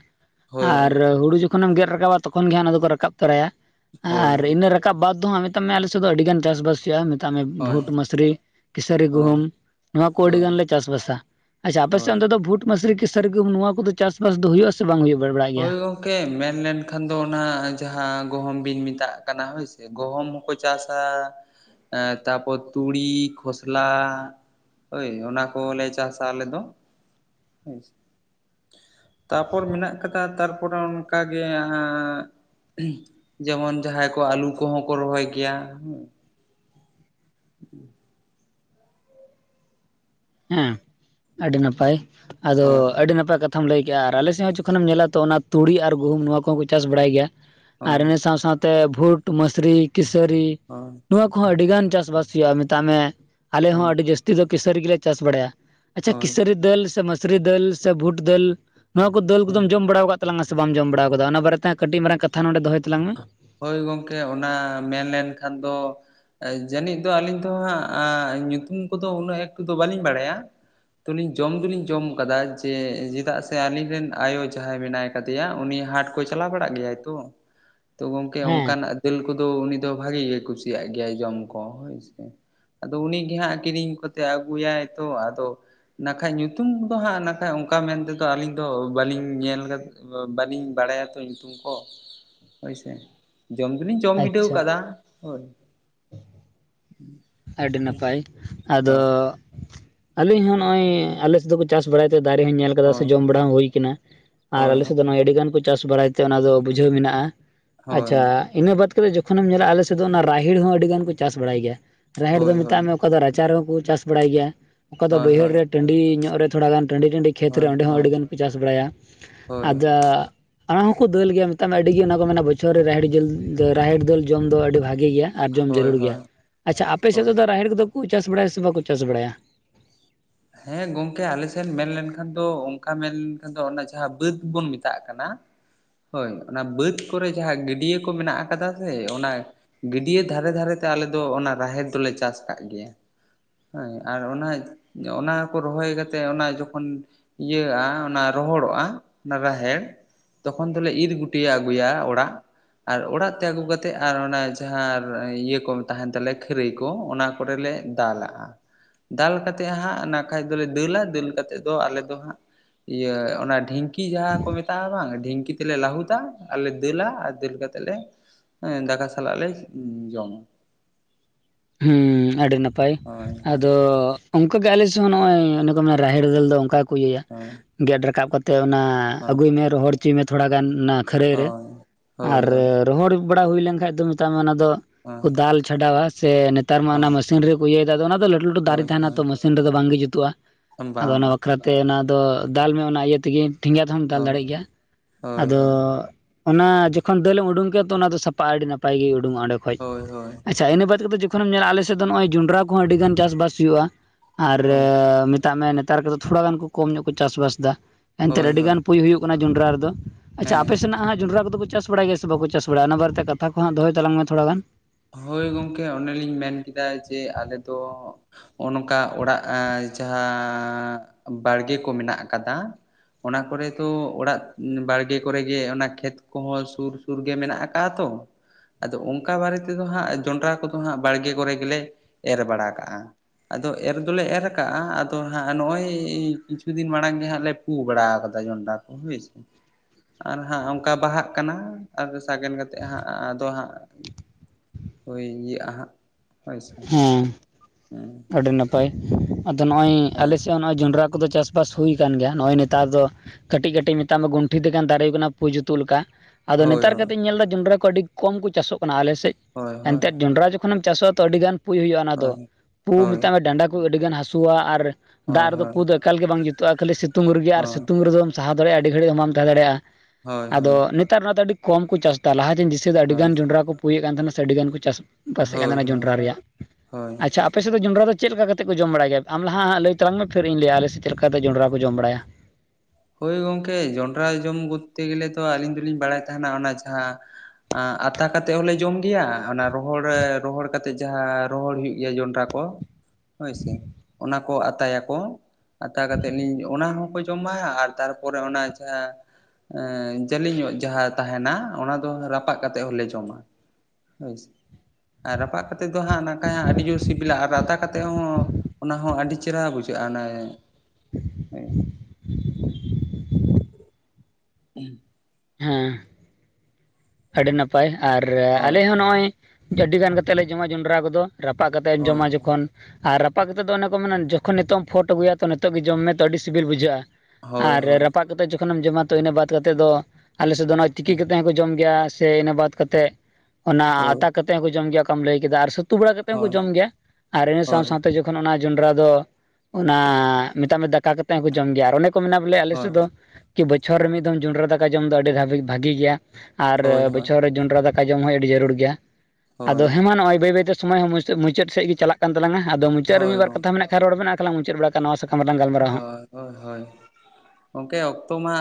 ᱦᱳᱭ ᱾ᱟᱨ ᱦᱳᱭ ᱦᱩᱲᱩ ᱡᱚᱠᱷᱚᱱᱮᱢ ᱜᱮᱫ ᱨᱟᱠᱟᱵᱟ ᱛᱚᱠᱷᱚᱱ ᱜᱮ ᱦᱟᱸᱜ ᱚᱱᱟ ᱫᱚᱠᱚ ᱨᱟᱠᱟᱵ ᱛᱚᱨᱟᱭᱟ ᱾ ᱦᱳᱭ ᱟᱨ ᱤᱱᱟᱹ ᱨᱟᱠᱟᱵ ᱵᱟᱫ ᱫᱚ ᱦᱟᱸᱜ ᱢᱮᱛᱟᱜ ᱢᱮᱭᱟ ᱟᱞᱮ ᱥᱮᱫ ᱫᱚ ᱟᱹᱰᱤ ᱜᱟᱱ ᱪᱟᱥᱵᱟᱥ ᱦᱩᱭᱩᱜᱼᱟ ᱾ ᱢᱮᱛᱟᱜ ᱢᱮ ᱵᱷᱩᱴ ᱦᱳᱭ ᱢᱟᱥᱨᱤ ᱠᱤᱥᱟᱹᱨᱤ ᱦᱳᱭ ᱜᱩᱦᱩᱢ ᱱᱚᱣᱟ ᱠᱚ ᱟᱹᱰᱤ ᱜᱟᱱᱞᱮ ᱪᱟᱥᱵᱟᱥᱼᱟ ᱾ ᱟᱪᱪᱷᱟ ᱟᱯᱮ ᱥᱮᱫ ᱚᱱᱛᱮ ᱦᱳᱭ ᱫᱚ ᱵᱷᱩᱴ ᱢᱟᱥᱨᱤ ᱠᱤᱥᱟᱹᱨᱤ ᱱᱚᱣᱟ ᱠᱚᱫᱚ ᱪᱟᱥᱵᱟᱥ ᱫᱚ ᱦᱩᱭᱩᱜ-ᱟ ᱥᱮ ᱵᱟᱝ ᱦᱩᱭ ᱵᱟᱲᱟᱜ ᱜᱮᱭᱟ? ᱜᱠᱮ ᱢᱮᱱ ᱢᱮᱱᱠᱷᱟᱱ ᱫᱚ ᱚᱱᱟ ᱡᱟᱦᱟᱸ ᱜᱚᱦᱚᱢ ᱵᱤᱱ ᱢᱮᱛᱟᱜ ᱠᱟᱱᱟ, ᱦᱳᱭ ᱥᱮ ᱜᱚᱦᱩᱢ ᱦᱚᱸᱠᱚ ᱪᱟᱥᱼᱟ, ᱛᱟᱨᱯᱚᱨ ᱛᱩᱲᱤ ᱠᱷᱚᱥᱞᱟ ᱦᱳᱭ ᱚᱱᱟ ᱠᱚᱞᱮ ᱪᱟᱥᱟ ᱟᱞᱮ ᱫᱚ ᱦᱳᱭ ᱥᱮ ᱾ ᱛᱟᱯᱚᱨ ᱢᱮᱱᱟᱜ ᱠᱟᱫᱟ ᱛᱟᱨᱯᱚᱨᱮ ᱚᱱᱠᱟᱜᱮ ᱦᱟᱸᱜ ᱡᱮᱢᱚᱱ ᱡᱟᱦᱟᱸᱭ ᱠᱚ ᱟᱹᱞᱩ ᱠᱚᱦᱚᱸ ᱠᱚ ᱨᱚᱦᱚᱭ ᱜᱮᱭᱟ ᱾ [INAUDIBLE] ᱦᱮᱸ ᱟᱹᱰᱤ ᱱᱟᱯᱟᱭ, ᱟᱫᱚ ᱦᱳᱭ ᱟᱹᱰᱤ ᱱᱟᱯᱟᱭ ᱠᱟᱼᱼ ᱠᱟᱛᱷᱟᱢ ᱞᱟᱹᱭ ᱠᱮᱜᱼᱟ ᱟᱨ ᱟᱞᱮ ᱥᱮᱫ ᱦᱚᱸ ᱡᱚᱠᱷᱚᱱᱮᱢ ᱧᱮᱞᱟ ᱛᱚ ᱛᱩᱲᱤ ᱟᱨ ᱜᱩᱦᱩᱢ ᱱᱚᱣᱟ ᱠᱚᱦᱚᱸ ᱠᱚ ᱪᱟᱥ ᱵᱟᱲᱟᱭ ᱜᱮᱭᱟ ᱾ ᱟᱨ ᱦᱳᱭ ᱤᱱᱟᱹ ᱥᱟᱶ ᱥᱟᱶᱛᱮ ᱵᱷᱩᱴ ᱢᱟᱥᱨᱤ ᱠᱤᱥᱟᱹᱨᱤᱼᱼ ᱚ ᱱᱚᱣᱟ ᱠᱚᱦᱚᱸ ᱟᱹᱰᱤ ᱜᱟᱱ ᱪᱟᱥᱼᱵᱟᱥ ᱦᱩᱭᱩᱜᱼᱟ ᱢᱮᱛᱟᱜ ᱢᱮ, ᱟᱞᱮ ᱦᱚᱸ ᱦᱳᱭ ᱟᱹᱰᱤ ᱡᱟᱹᱥᱛᱤ ᱫᱚ ᱠᱤᱥᱟᱹᱨᱤ ᱜᱮᱞᱮ ᱪᱟᱥ ᱵᱟᱲᱟᱭᱟ ᱾ ᱟᱪᱪᱷᱟ ᱦᱳᱭ ᱠᱤᱥᱟᱹᱨᱤ ᱫᱟᱹᱞ ᱥᱮ ᱢᱟᱥᱨᱤ ᱫᱟᱹᱞ ᱥᱮ ᱵᱷᱩᱴ ᱫᱟᱹᱞ ᱱᱚᱣᱟ ᱠᱚ ᱫᱟᱹᱞ ᱠᱚᱫᱚᱢ ᱡᱚᱢ ᱵᱟᱲᱟᱣ ᱟᱠᱟ ᱛᱟᱞᱟᱝᱟ ᱥᱮ ᱵᱟᱢ ᱡᱚᱢ ᱵᱟᱲᱟ ᱟᱠᱟᱫᱟ ᱚᱱᱟ ᱵᱟᱨᱮᱛᱮ ᱠᱟᱹᱴᱤᱡ ᱢᱟᱨᱟᱝ ᱠᱟᱛᱷᱟ ᱱᱚᱰᱮ ᱫᱚᱦᱚᱭ ᱛᱟᱞᱟᱝ ᱢᱮ ᱾ ᱦᱚᱭ ᱜᱚᱝᱠᱮ ᱚᱱᱟ ᱢᱮᱱ ᱞᱮᱱᱠᱷᱟᱱ ᱫᱚ ᱡᱟᱹᱱᱤᱡ ᱫᱚ ᱟᱹᱞᱤᱧ ᱫᱚ ᱦᱟᱸᱜ ᱧᱩᱛᱩᱢ ᱠᱚᱫᱚ ᱩᱱᱟᱹᱜ ᱮᱠᱴᱩ ᱫᱚ ᱵᱟᱹᱞᱤᱧ ᱵᱟᱲᱟᱭᱟ ᱾ ᱛᱚᱞᱤᱧ ᱡᱚᱢ ᱫᱚᱞᱤᱧ ᱡᱚᱢ ᱟᱠᱟᱫᱟ ᱡᱮ ᱪᱮᱫᱟᱜ ᱥᱮ ᱟᱞᱤᱧ ᱨᱮᱱ ᱟᱭᱳ ᱡᱟᱦᱟᱸᱭ ᱢᱮᱱᱟᱭ ᱠᱟᱫᱮᱭᱟ ᱩᱱᱤ ᱦᱟᱴ ᱠᱚᱭ ᱪᱟᱞᱟᱣ ᱵᱟᱲᱟᱜ ᱜᱮᱭᱟ ᱛᱚ ᱛᱚ ᱜᱚᱝᱠᱮ ᱦᱮᱸ ᱚᱱᱠᱟᱱᱟᱜ ᱫᱟᱹᱞ ᱠᱚᱫᱚ ᱩᱱᱤ ᱫᱚ ᱵᱷᱟᱜᱤ ᱜᱮᱭ ᱠᱩᱥᱤᱭᱟᱜ ᱜᱮᱭᱟ ᱡᱚᱢ ᱠᱚ ᱦᱚᱭ ᱥᱮ ᱾ ᱟᱫᱚ ᱩᱱᱤᱜᱮ ᱦᱟᱸᱜ ᱠᱤᱨᱤᱧ ᱠᱚᱛᱮ ᱟᱹᱜᱩᱭᱟᱭ ᱛᱚ ᱟᱫᱚ ᱱᱟᱠᱷᱟᱡ ᱧᱩᱛᱩᱢ ᱫᱚ ᱦᱟᱸᱜ ᱱᱟᱠᱷᱟᱡ ᱚᱱᱠᱟ ᱢᱮᱱᱛᱮᱫᱚ ᱟᱹᱞᱤᱧ ᱫᱚ ᱵᱟᱹᱞᱤᱧ ᱧᱮᱞ ᱟᱠᱟᱫ ᱵᱟᱹᱞᱤᱧ ᱵᱟᱲᱟᱭᱟ ᱛᱚ ᱧᱩᱛᱩᱢ ᱠᱚ ᱦᱳᱭ ᱥᱮ ᱡᱚᱢ ᱫᱚᱞᱤᱧ ᱡᱚᱢ ᱵᱤᱰᱟᱹᱣ ᱟᱪᱪᱷᱟ ᱟᱠᱟᱫᱟ ᱦᱳᱭ ᱟᱹᱰᱤ ᱱᱟᱯᱟᱭ ᱟᱫᱚ ᱦᱳᱭ ᱟᱞᱤᱧ ᱦᱚᱸ ᱱᱚᱜᱼᱚᱭ ᱟᱞᱮ ᱥᱮᱫ ᱫᱚ ᱠᱚ ᱪᱟᱥ ᱵᱟᱲᱟᱭ ᱛᱮ ᱫᱟᱨᱮ ᱦᱚᱸ ᱧᱮᱞ ᱥᱮ ᱦᱳᱭ ᱡᱚᱢ ᱵᱟᱲᱟ ᱦᱚᱸ ᱦᱩᱭ ᱟᱠᱟᱱᱟ, ᱟᱨ ᱦᱳᱭ ᱟᱞᱮ ᱥᱮᱫ ᱫᱚ ᱱᱚᱜᱼᱚᱭ ᱟᱹᱰᱤ ᱜᱟᱱ ᱠᱚ ᱪᱟᱥ ᱵᱟᱲᱟᱭ ᱛᱮ ᱚᱱᱟᱫᱚ ᱵᱩᱡᱷᱟᱹᱣ ᱢᱮᱱᱟᱜᱼᱟ ᱾ ᱟᱪᱪᱷᱟ ᱤᱱᱟᱹ ᱵᱟᱫ ᱠᱟᱛᱮ ᱡᱚᱠᱷᱚᱱᱮᱢ ᱧᱮᱞᱟ ᱟᱞᱮ ᱥᱮᱫ ᱫᱚ ᱚᱱᱟ ᱨᱟᱦᱮᱲ ᱦᱚᱸ ᱟᱹᱰᱤ ᱜᱟᱱ ᱠᱚ ᱪᱟᱥ ᱵᱟᱲᱟᱭ ᱜᱮᱭᱟ, ᱨᱟᱦᱮᱲ ᱫᱚ ᱦᱳᱭ ᱦᱳᱭ ᱦᱳᱭ ᱢᱮᱛᱟᱜ ᱢᱮ ᱚᱠᱟ ᱫᱚ ᱨᱟᱪᱟ ᱨᱮᱦᱚᱸ ᱠᱚ ᱪᱟᱥ ᱵᱟᱲᱟᱭ ᱜᱮᱭᱟ, ᱚᱠᱟ ᱫᱚ ᱦᱳᱭ ᱵᱟᱹᱭᱦᱟᱹᱲ ᱦᱳᱭ ᱨᱮ ᱴᱟᱺᱰᱤ ᱧᱚᱜ ᱨᱮ ᱛᱷᱚᱲᱟ ᱜᱟᱱ ᱴᱟᱺᱰᱤ ᱴᱟᱺᱰᱤ ᱠᱷᱮᱛ ᱨᱮ ᱦᱳᱭ ᱚᱸᱰᱮ ᱦᱚᱸ ᱦᱳᱭ ᱟᱹᱰᱤ ᱜᱟᱱ ᱠᱚ ᱪᱟᱥ ᱵᱟᱲᱟᱭᱟ ᱾ ᱦᱳᱭ ᱟᱫᱚ ᱟᱲᱟᱸᱜ ᱦᱚᱸᱠᱚ ᱫᱟᱹᱞ ᱜᱮᱭᱟ ᱢᱮᱛᱟᱜ ᱢᱮ ᱟᱹᱰᱤ ᱜᱮ ᱚᱱᱟ ᱠᱚ ᱢᱮᱱᱟ ᱵᱚᱪᱷᱚᱨ ᱨᱮ ᱨᱟᱦᱮᱲ ᱡᱮᱹᱞ ᱨᱟᱦᱮᱲ ᱫᱟᱹᱞ ᱡᱚᱢ ᱫᱚ ᱟᱹᱰᱤ ᱵᱷᱟᱜᱤ ᱜᱮᱭᱟ ᱾ ᱟᱨ ᱡᱚᱢ ᱦᱳᱭ ᱡᱟᱹᱨᱩᱲ ᱜᱮᱭᱟ ᱦᱳᱭ ᱟᱪᱪᱷᱟ ᱟᱯᱮ ᱥᱮᱫ ᱦᱳᱭ ᱫᱚ ᱨᱟᱦᱮᱲ ᱠᱚᱫᱚ ᱠᱚ ᱪᱟᱥ ᱵᱟᱲᱟᱭᱟ ᱥᱮ ᱵᱟᱠᱚ ᱪᱟᱥ ᱵᱟᱲᱟᱭᱟ? ᱦᱮᱸ ᱜᱚᱝᱠᱮ ᱟᱞᱮ ᱥᱮᱱ ᱢᱮᱱ ᱞᱮᱠᱷᱟᱱ ᱫᱚ ᱚᱱᱠᱟ ᱢᱮᱱ ᱞᱮᱱᱠᱷᱟᱱ ᱫᱚ ᱚᱱᱟ ᱡᱟᱦᱟᱸ ᱵᱟᱹᱫ ᱵᱚᱱ ᱢᱮᱛᱟᱜ ᱠᱟᱱᱟ᱾ ᱦᱳᱭ ᱚᱱᱟ ᱵᱟᱹᱫᱽ ᱠᱚᱨᱮ ᱡᱟᱦᱟᱸ ᱜᱟᱹᱰᱤᱭᱟᱹ ᱠᱚ ᱢᱮᱱᱟᱜ ᱟᱠᱟᱫᱟ ᱥᱮ ᱚᱱᱟᱼᱼ ᱜᱟᱹᱰᱤᱭᱟᱹ ᱫᱷᱟᱨᱮ ᱫᱷᱟᱨᱮ ᱛᱮ ᱟᱞᱮ ᱫᱚ ᱚᱱᱟ ᱨᱟᱦᱮᱲ ᱫᱚᱞᱮ ᱪᱟᱥ ᱟᱠᱟᱫ ᱜᱮᱭᱟ᱾ ᱦᱮᱸ ᱟᱨ ᱚᱱᱟ ᱚᱱᱟ ᱠᱚ ᱨᱚᱦᱚᱭ ᱠᱟᱛᱮᱫ ᱚᱱᱟ ᱡᱚᱠᱷᱚᱱᱼᱼ ᱤᱭᱟᱹᱜᱼᱟ ᱚᱱᱟ ᱨᱚᱦᱚᱲᱚᱜᱼᱟ ᱚᱱᱟ ᱨᱟᱦᱮᱲᱼᱼ ᱛᱚᱠᱷᱚᱱ ᱫᱚᱞᱮ ᱤᱨ ᱜᱩᱴᱭᱟᱹ ᱟᱹᱜᱩᱭᱟ ᱚᱲᱟᱜ ᱟᱨ ᱚᱲᱟᱜ ᱛᱮ ᱟᱹᱜᱩ ᱠᱟᱛᱮᱫ ᱟᱨ ᱚᱱᱟ ᱡᱟᱦᱟᱸ ᱤᱭᱟᱹ ᱠᱚ ᱛᱟᱦᱮᱱ ᱛᱟᱞᱮᱭᱟ ᱠᱷᱟᱹᱨᱟᱹᱭ ᱠᱚ ᱚᱱᱟᱼᱼ ᱠᱚᱨᱮ ᱞᱮ ᱫᱟᱞᱟᱜᱼᱟ ᱫᱟᱞ ᱠᱟᱛᱮᱼᱼ ᱛᱮ ᱦᱟᱸᱜ ᱱᱟᱠᱷᱟᱡ ᱫᱚᱞᱮ ᱫᱟᱹᱞᱟ ᱫᱟᱹᱞ ᱠᱟᱛᱮᱫ ᱫᱚ ᱟᱞᱮ ᱫᱚ ᱦᱟᱸᱜᱼᱼ ᱤᱭᱟᱹ ᱚᱱᱟ ᱰᱷᱤᱝᱠᱤ ᱡᱟᱦᱟᱸ ᱠᱚ ᱢᱮᱛᱟᱜᱼᱟ ᱵᱟᱝ ᱰᱷᱤᱝᱠᱤ ᱛᱮᱞᱮ ᱞᱟᱹᱟᱦᱩᱫᱟ ᱟᱨ ᱞᱮ ᱫᱟᱹᱞᱟ ᱟᱨ ᱫᱟᱹᱞ ᱠᱟᱼᱼ ᱛᱮᱫ ᱞᱮ ᱫᱟᱠᱟ ᱥᱟᱞᱟᱜ ᱞᱮ ᱡᱚᱢᱟ ᱦᱩᱸ ᱟᱹᱰᱤ ᱱᱟᱯᱟᱭ ᱦᱳᱭ ᱦᱳᱭ ᱟᱫᱚᱼᱼ ᱚᱱᱠᱟ ᱜᱮ ᱟᱞᱮᱥᱮᱫ ᱦᱚᱸ ᱱᱚᱜᱼᱚᱭ ᱚᱱᱮ ᱠᱚ ᱢᱮ ᱨᱟᱦᱮᱲ ᱫᱟᱹᱞ ᱫᱚ ᱚᱱᱠᱟ ᱜᱮᱠᱚ ᱤᱭᱟᱹᱭᱟ ᱦᱳᱭ ᱜᱮᱫ ᱨᱟᱠᱟᱵ ᱠᱟᱛᱮ ᱚᱱᱟᱼᱼ ᱦᱳᱭ ᱟᱹᱜᱩᱭ ᱢᱮ ᱨᱚᱦᱚᱲ ᱦᱚᱪᱚᱭ ᱢᱮ ᱛᱷᱚᱲᱟ ᱜᱟᱱ ᱠᱷᱟᱹᱨᱟᱹᱭ ᱨᱮ ᱦᱳᱭ ᱟᱨᱼᱼ ᱦᱳᱭ ᱦᱳᱭ ᱨᱚᱦᱚᱲ ᱵᱟᱲᱟ ᱦᱩᱭ ᱞᱮᱱᱠᱷᱟᱱ ᱫᱚ ᱢᱮᱛᱟᱜ ᱢᱮ ᱚᱱᱟ ᱫᱚ ᱦᱳᱭ ᱫᱟᱞ ᱪᱷᱟᱰᱟᱣᱟ ᱥᱮ ᱱᱮᱛᱟᱨ ᱢᱟ ᱚᱱᱟᱼᱼ ᱦᱳᱭ ᱢᱮᱥᱤᱱ ᱨᱮᱠᱚ ᱤᱭᱟᱹᱭᱫᱟ ᱟᱫᱚ ᱚᱱᱟᱫᱚ ᱞᱟᱹᱴᱩ ᱞᱟᱹᱴᱩ ᱫᱟᱨᱮ ᱦᱳᱭ ᱛᱟᱦᱮᱱᱟ ᱛᱚ ᱦᱳᱭ ᱢᱮᱥᱤᱱ ᱨᱮᱫᱚ ᱵᱟᱝ ᱜᱮ ᱡᱩᱛᱩᱜᱼᱟ ᱵᱟᱝ ᱟᱫᱚ ᱚᱱᱟ ᱵᱟᱝ ᱵᱟᱠᱷᱨᱟᱼᱼ ᱛᱮ ᱚᱱᱟ ᱫᱚ ᱫᱟᱞ ᱢᱮ ᱚᱱᱟ ᱤᱭᱟᱹ ᱛᱮᱜᱮ ᱴᱷᱮᱸᱜᱟ ᱛᱮᱦᱚᱢ ᱫᱟᱞ ᱦᱳᱭ ᱫᱟᱲᱮᱜ ᱜᱮᱭᱟ ᱦᱳᱭ ᱟᱫᱚ ᱦᱳᱭ ᱚᱱᱟ ᱡᱚᱠᱷᱚᱱ ᱫᱟᱹᱞᱮᱢ ᱩᱰᱩᱠ ᱠᱮᱫᱮᱜᱼᱟ ᱛᱚ ᱚᱱᱟ ᱫᱚ ᱥᱟᱯᱟᱜᱼᱟ ᱟᱹᱰᱤ ᱱᱟᱯᱟᱭ ᱜᱮ ᱩᱰᱩᱝᱚᱜᱼᱟ ᱚᱸᱰᱮ ᱠᱷᱚᱡ ᱦᱳᱭ ᱦᱳᱭ ᱟᱪᱪᱷᱟ ᱤᱱᱟᱹ ᱵᱟᱛᱼᱼ ᱠᱟᱛᱮ ᱡᱚᱠᱷᱚᱱᱮᱢ ᱧᱮᱞᱟ ᱟᱞᱮ ᱥᱮᱫ ᱫᱚ ᱱᱚᱜᱼᱚᱭ ᱡᱚᱸᱰᱨᱟ ᱠᱚ ᱟᱹᱰᱤ ᱜᱟᱱ ᱪᱟᱥᱵᱟᱥ ᱦᱩᱭᱩᱜᱼᱟ ᱟᱨ ᱦᱳᱭ ᱢᱮᱛᱟᱜ ᱢᱮ ᱱᱮᱛᱟᱨ ᱠᱚᱫᱚ ᱛᱷᱚᱲᱟ ᱜᱟᱱ ᱠᱚ ᱠᱚᱢ ᱧᱚᱜ ᱠᱚ ᱪᱟᱥ ᱵᱟᱥ ᱮᱫᱟ ᱮᱱᱛᱮ ᱦᱳᱭ ᱟᱹᱰᱤ ᱦᱳᱭ ᱜᱟᱱ ᱯᱳᱭ ᱦᱩᱭᱩᱜ ᱠᱟᱱᱟ ᱡᱚᱸᱰᱨᱟ ᱨᱮᱫᱚ ᱟᱪᱪᱷᱟ ᱦᱮᱸ ᱟᱯᱮ ᱥᱮᱫᱼᱼ ᱥᱮᱱᱟᱜᱟᱜ ᱡᱚᱸᱰᱨᱟ ᱠᱚᱫᱚ ᱪᱟᱥ ᱵᱟᱲᱟᱭ ᱜᱮᱭᱟ ᱥᱮ ᱵᱟᱠᱚ ᱪᱟᱥ ᱵᱟᱲᱟᱭᱟ ᱚᱱᱟ ᱵᱟᱨᱮ ᱛᱮ ᱠᱟᱛᱷᱟ ᱠᱚ ᱦᱟᱸᱜ ᱫᱚᱦᱚᱭ ᱛᱟᱝ ᱢᱮ ᱛᱷᱚᱲᱟ ᱜᱟᱱ? ᱦᱳᱭ ᱜᱚᱢᱠᱮ ᱚᱱᱮ ᱞᱤᱧ ᱢᱮᱱ ᱠᱮᱫᱟ ᱡᱮ ᱟᱞᱮ ᱫᱚᱼᱼ ᱱᱚᱜ-ᱚ ᱱᱚᱝᱠᱟ ᱚᱲᱟᱜ ᱡᱟᱦᱟᱸ ᱵᱟᱲᱜᱮ ᱠᱚ ᱢᱮᱱᱟᱜ ᱟᱠᱟᱫᱟ᱾ ᱚᱱᱟ ᱠᱚᱨᱮ ᱫᱚ ᱚᱲᱟᱜ ᱵᱟᱲᱜᱮ ᱠᱚᱨᱮ ᱜᱮ ᱚᱱᱟ ᱠᱷᱮᱛ ᱠᱚᱦᱚᱸ ᱥᱩᱨᱼᱼ ᱥᱩᱨ ᱜᱮ ᱢᱮᱱᱟᱜ ᱟᱠᱟᱜᱼᱟ ᱛᱚ ᱟᱫᱚ ᱚᱱᱠᱟ ᱵᱟᱨᱮᱛᱮ ᱟᱞᱮ ᱫᱚ ᱦᱟᱸᱜ ᱡᱚᱸᱰᱨᱟ ᱠᱚᱫᱚ ᱦᱟᱸᱜ ᱵᱟᱲᱜᱮ ᱠᱚᱨᱮ ᱜᱮᱞᱮ ᱮᱨ ᱵᱟᱲᱟ ᱠᱟᱜ-ᱟ᱾ ᱟᱫᱚ ᱮᱨ ᱫᱚᱞᱮ ᱮᱨ ᱟᱠᱟᱜᱼᱟ ᱟᱫᱚ ᱦᱟᱸᱜ ᱱᱚᱜ-ᱚᱭ ᱠᱤᱪᱷᱩ ᱫᱤᱱ ᱢᱟᱲᱟᱝ ᱜᱮ ᱦᱟᱸᱜ ᱞᱮᱼᱼ ᱯᱩ ᱵᱟᱲᱟ ᱟᱠᱟᱫᱟ ᱡᱚᱸᱰᱨᱟ ᱠᱚ᱾ ᱟᱨ ᱦᱟᱸᱜ ᱚᱱᱠᱟ ᱵᱟᱦᱟᱜ ᱠᱟᱱᱟ ᱟᱨ ᱥᱟᱜᱮᱱ ᱠᱟᱛᱮ ᱦᱟᱸᱜ ᱟᱫᱚ ᱦᱟᱸᱜ᱾ ᱦᱳᱭ ᱤᱭᱟᱹᱜᱼᱟ ᱦᱟᱸᱜ ᱦᱳᱭ ᱥᱮ, ᱦᱮᱸ᱾ ᱦᱩᱸ᱾ ᱟᱹᱰᱤ ᱱᱟᱯᱟᱭ ᱟᱫᱚ ᱱᱚᱜᱼᱚᱭ ᱦᱳᱭ ᱟᱞᱮ ᱥᱮᱫ ᱦᱚᱸ ᱱᱚᱜᱼᱚᱭ ᱡᱚᱸᱰᱨᱟ ᱠᱚᱫᱚ ᱪᱟᱥᱼᱼ ᱪᱟᱥ ᱵᱟᱥ ᱦᱩᱭ ᱟᱠᱟᱱ ᱜᱮᱭᱟ ᱱᱚᱜ-ᱚᱭ ᱱᱮᱛᱟᱨ ᱫᱚ ᱠᱟᱹᱴᱤᱡ ᱠᱟᱹᱴᱤᱡ ᱢᱮᱛᱟᱢ ᱢᱮ ᱜᱚᱱᱴᱷᱮ ᱞᱮᱠᱟᱱ ᱫᱟᱨᱮ ᱠᱟᱱᱟ ᱯᱩ ᱡᱩᱛᱩᱜ ᱞᱮᱠᱟ᱾ ᱟᱫᱚ ᱦᱳᱭ ᱱᱮᱛᱟᱨ ᱦᱳᱭ ᱠᱟᱹᱴᱤᱡ ᱤᱧ ᱧᱮᱞ ᱮᱫᱟ ᱡᱚᱸᱰᱨᱟ ᱠᱚ ᱟᱹᱰᱤ ᱠᱚᱢ ᱠᱚ ᱪᱟᱥᱚᱜ ᱠᱟᱱᱟ ᱟᱞᱮ ᱥᱮᱫ ᱦᱳᱭ ᱦᱳᱭ ᱮᱱᱛᱮᱫ ᱡᱚᱸᱰᱨᱟ ᱡᱚᱠᱷᱚᱱ ᱮᱢ ᱪᱟᱥᱚᱜ-ᱟ ᱛᱚ ᱟᱹᱰᱤ ᱜᱟᱱ ᱯᱩᱭ ᱦᱩᱭᱩᱜ-ᱟ ᱚᱱᱟ ᱫᱚ ᱦᱳᱭ ᱯᱩ ᱦᱳᱭ ᱢᱮᱛᱟᱜ ᱢᱮ ᱰᱟᱸᱰᱟ ᱠᱚ ᱟᱹᱰᱤ ᱜᱟᱱ ᱦᱟᱹᱥᱩᱣᱟ ᱟᱨᱼᱼ ᱦᱳᱭ ᱫᱟᱜ ᱨᱮ ᱫᱚ ᱦᱳᱭ ᱯᱩ ᱫᱚ ᱮᱠᱟᱞ ᱜᱮ ᱵᱟᱝ ᱡᱩᱛᱩᱜᱼᱟ ᱠᱷᱟᱹᱞᱤ ᱥᱤᱛᱩᱝ ᱨᱮᱜᱮ ᱟᱨ ᱥᱤᱛᱩᱝ ᱨᱮᱫᱚᱼᱼ ᱥᱟᱦᱟᱣ ᱫᱟᱲᱮᱭᱟᱜ-ᱟ ᱟᱹᱰᱤ ᱜᱷᱟᱹᱲᱤᱡ ᱦᱚᱸ ᱵᱟᱢ ᱛᱟᱦᱮᱸ ᱫᱟᱲᱮᱭᱟᱜᱼᱟ ᱦᱳᱭ ᱦᱳᱭ ᱦᱳᱭ ᱟᱫᱚ ᱱᱮᱛᱟᱨ ᱚᱱᱟ ᱛᱮ ᱟᱹᱰᱤ ᱠᱚᱢ ᱠᱚ ᱪᱟᱥ ᱮᱫᱟ ᱞᱟᱦᱟ ᱡᱟᱧ ᱫᱤᱥᱟᱹ ᱭᱮᱫᱟ ᱟᱹᱰᱤ ᱜᱟᱱ ᱡᱚᱸᱰᱨᱟ ᱠᱚ ᱯᱩᱭᱮᱫ ᱠᱟᱱ ᱛᱟᱦᱮᱱᱟ ᱥᱮ ᱟᱹᱰᱤ ᱜᱟᱱ ᱠᱚ ᱪᱟᱥ ᱦᱳᱭ ᱵᱟᱥᱮᱫ ᱠᱟᱱ ᱦᱳᱭ ᱛᱟᱦᱮᱱᱟ ᱦᱳᱭ ᱡᱚᱸᱰᱨᱟ ᱨᱮᱭᱟᱜ᱾ ᱦᱳᱭ ᱟᱪᱪᱷᱟ ᱟᱯᱮ ᱥᱮᱫ ᱡᱚᱸᱰᱨᱟ ᱫᱚ ᱪᱮᱫ ᱞᱮᱠᱟ ᱠᱟᱛᱮ ᱠᱚ ᱡᱚᱢ ᱵᱟᱲᱟᱭ ᱜᱮᱭᱟ? ᱟᱢ ᱞᱟᱦᱟᱜ ᱦᱟᱸᱜ ᱞᱟᱹᱭ ᱛᱟᱞᱟᱝ ᱢᱮ ᱯᱷᱤᱨ ᱤᱧ ᱞᱟᱹᱭᱟ ᱟᱞᱮ ᱥᱮᱫ ᱪᱮᱫ ᱞᱮᱠᱟ ᱠᱟᱛᱮ ᱡᱚᱸᱰᱨᱟ ᱠᱚ ᱡᱚᱢ ᱵᱟᱲᱟᱭᱟ ᱦᱳᱭ ᱜᱚᱢᱠᱮ ᱡᱚᱸᱰᱨᱟ ᱡᱚᱢ ᱠᱚᱨᱛᱮ ᱜᱮᱞᱮ ᱫᱚ ᱟᱹᱞᱤᱧ ᱫᱚᱞᱤᱧ ᱵᱟᱲᱟᱭ ᱛᱟᱦᱮᱸᱱᱟ ᱚᱱᱟ ᱡᱟᱦᱟᱸ ᱟᱛᱟ ᱠᱟᱛᱮ ᱦᱚᱸᱞᱮ ᱡᱚᱢ ᱜᱮᱭᱟ ᱚᱱᱟ ᱨᱚᱦᱚᱲ ᱨᱚᱦᱚᱲ ᱠᱟᱛᱮ ᱡᱟᱦᱟᱸ ᱨᱚᱦᱚᱲ ᱦᱩᱭᱩᱜ ᱜᱮᱭᱟ ᱡᱚᱸᱰᱨᱟ ᱠᱚ ᱦᱳᱭ ᱥᱮ ᱚᱱᱟ ᱠᱚ ᱟᱛᱟᱭᱟ ᱠᱚ᱾ ᱟᱛᱟ ᱠᱟᱛᱮ ᱞᱤᱧ ᱚᱱᱟ ᱦᱚᱸᱠᱚ ᱡᱚᱢᱟ ᱟᱨ ᱛᱟᱨᱯᱚᱨᱮ ᱚᱱᱟ ᱡᱟᱦᱟᱸᱼᱼ ᱮᱸ ᱡᱟᱹᱞᱤᱧ ᱧᱚᱜ ᱡᱟᱦᱟᱸ ᱛᱟᱦᱮᱱᱟ ᱚᱱᱟ ᱫᱚ ᱨᱟᱯᱟᱜ ᱠᱟᱛᱮ ᱦᱚᱸᱞᱮ ᱡᱚᱢᱟ᱾ ᱦᱳᱭ ᱥᱮ ᱟᱨ ᱨᱟᱯᱟᱜ ᱠᱟᱛᱮ ᱫᱚ ᱦᱟᱸᱜ ᱱᱟᱝᱠᱟᱭ ᱦᱟᱸᱜ ᱟᱹᱰᱤ ᱡᱳᱨ ᱥᱤᱵᱤᱞᱟ ᱟᱨ ᱟᱛᱟ ᱠᱟᱛᱮ ᱦᱚᱸᱼᱼ ᱚᱱᱟ ᱦᱚᱸ ᱟᱹᱰᱤ ᱪᱮᱦᱨᱟ ᱵᱩᱡᱷᱟᱹᱜ-ᱟ ᱚᱱᱟ ᱦᱮᱸ ᱦᱮᱸ ᱦᱮᱸ᱾ ᱟᱹᱰᱤ ᱱᱟᱯᱟᱭ ᱟᱨ ᱟᱞᱮ ᱦᱚᱸ ᱱᱚᱜ-ᱚᱭ ᱡᱟᱹᱰᱤ ᱜᱟᱱ ᱠᱟᱛᱮ ᱞᱮ ᱡᱚᱢᱟ ᱡᱚᱸᱰᱨᱟ ᱠᱚᱫᱚ ᱨᱟᱯᱟᱜ ᱠᱟᱛᱮ ᱦᱳᱭ ᱡᱚᱢᱟ ᱡᱚᱠᱷᱚᱱ ᱟᱨ ᱨᱟᱯᱟᱜ ᱠᱟᱛᱮ ᱫᱚ ᱚᱱᱮ ᱠᱚ ᱢᱮᱱᱟ ᱡᱚᱠᱷᱚᱱ ᱱᱤᱛᱚᱜ ᱮᱢ ᱯᱷᱳᱴ ᱟᱹᱜᱩᱭᱟ ᱛᱚ ᱱᱤᱛᱚᱜ ᱜᱮ ᱡᱚᱢ ᱢᱮ ᱛᱚ ᱟᱹᱰᱤ ᱥᱤᱵᱤᱞ ᱵᱩᱡᱷᱟᱹᱜ-ᱟ ᱦᱳᱭ ᱟᱨ ᱦᱳᱭ ᱨᱟᱯᱟᱜ ᱠᱟᱛᱮ ᱡᱚᱠᱷᱚᱱ ᱮᱢ ᱡᱚᱢᱟ ᱛᱚ ᱤᱱᱟᱹ ᱵᱟᱫ ᱠᱟᱛᱮ ᱫᱚ ᱟᱞᱮ ᱥᱮᱫ ᱫᱚ ᱱᱚᱜ-ᱚᱭ ᱛᱤᱠᱤ ᱠᱟᱛᱮ ᱦᱚᱸᱠᱚ ᱡᱚᱢ ᱜᱮᱭᱟ ᱥᱮ ᱤᱱᱟᱹ ᱵᱟᱫ ᱠᱟᱛᱮ ᱚᱱᱟ ᱦᱳᱭ ᱟᱛᱟ ᱠᱟᱛᱮ ᱦᱚᱸ ᱠᱚ ᱡᱚᱢ ᱜᱮᱭᱟ ᱚᱠᱚᱢ ᱞᱟᱹᱭ ᱠᱮᱫᱟ ᱟᱨ ᱩᱛᱩ ᱵᱟᱲᱟ ᱠᱟᱛᱮ ᱦᱚᱸ ᱠᱚ ᱦᱳᱭ ᱡᱚᱢ ᱜᱮᱭᱟ ᱟᱨ ᱤᱱᱟᱹ ᱥᱟᱶ ᱦᱳᱭ ᱥᱟᱶᱛᱮ ᱡ ᱚᱱᱟ ᱡᱚᱸᱰᱨᱟ ᱫᱚ ᱚᱱᱟ ᱢᱮᱛᱟᱜ ᱢᱮ ᱫᱟᱠᱟ ᱠᱟᱛᱮ ᱦᱚᱸᱠᱚ ᱡᱚᱢ ᱜᱮᱭᱟ ᱟᱨ ᱚᱱᱮ ᱠᱚ ᱢᱮᱱᱟ ᱵᱚᱞᱮ ᱟᱞᱮ ᱥᱮᱫ ᱦᱳᱭ ᱫᱚ ᱠᱤ ᱵᱚᱪᱷᱚᱨ ᱨᱮ ᱢᱤᱫ ᱫᱷᱟᱣ ᱡᱚᱸᱰᱨᱟ ᱫᱟᱠᱟ ᱡᱚᱢ ᱫᱚ ᱟᱹᱰᱤ ᱫᱷᱟᱵᱤ ᱵᱷᱟᱜᱤ ᱜᱮᱭᱟ ᱟᱨ ᱦᱳᱭ ᱦᱳᱭ ᱵᱚᱪᱷᱚᱨ ᱨᱮ ᱡᱚᱸᱰᱨᱟ ᱫᱟᱠᱟ ᱡᱚᱢ ᱦᱚ ᱟᱹᱰᱤ ᱡᱟᱹᱨᱩᱲ ᱜᱮᱭᱟ ᱦᱳᱭ ᱟᱫᱚ ᱦᱳᱭ ᱦᱳᱭ ᱦᱮᱸᱢᱟ ᱱᱚᱜ-ᱚᱭ ᱵᱟᱹᱭ ᱵᱟᱹᱭᱛᱮ ᱥᱚᱢᱚᱭ ᱦᱚᱸ ᱢᱩ ᱛᱚ ᱢᱩᱪᱟᱹᱫ ᱥᱮᱫ ᱜᱮ ᱪᱟᱞᱟᱜ ᱠᱟᱱ ᱛᱟᱞᱟᱝ-ᱟ ᱟᱫᱚ ᱢᱩᱪᱟᱹᱫ ᱥᱮᱫ ᱜᱮ ᱦᱳᱭ ᱪᱟᱞᱟᱜ ᱠᱟᱱ ᱛᱟᱞᱟᱝᱟ ᱟᱫᱚ ᱢᱩᱪᱟᱹᱫ ᱨᱮ ᱢᱤᱫ ᱵᱟᱨ ᱠᱟᱛᱷᱟ ᱢᱮᱱᱟᱜ ᱠᱷᱟᱱ ᱨᱚᱲ ᱵᱮᱱ ᱟᱨ ᱠᱷᱟᱱ ᱞᱟᱝ ᱢᱩᱪᱟᱹᱫ ᱵᱟᱲᱟ ᱠᱟᱜ-ᱟ ᱱᱚᱣᱟ ᱥᱟᱠᱟᱢ ᱨᱮ ᱞᱟᱝ ᱜᱟᱞᱢᱟᱨᱟᱣᱟ ᱦᱟᱸᱜ ᱦᱚᱭ ᱦᱚᱭ ᱜᱚᱢᱠᱮ ᱚᱠᱛᱚ ᱢᱟ